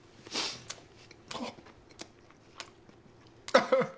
アハハ！